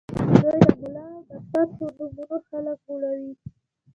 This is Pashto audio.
دوی د ملا او ډاکټر په نومونو خلک غولوي